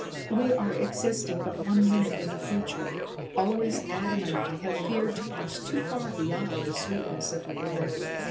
"We are existing but one minute in the future. Always Adam and I have feared to pass too far beyond the sweetness of reality.